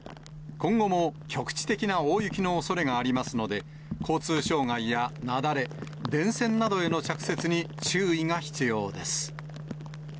今後も局地的な大雪のおそれがありますので、交通障害や雪崩、電線などへの着雪に注意が必要です。